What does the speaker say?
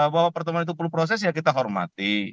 bahwa pertemuan itu perlu proses ya kita hormati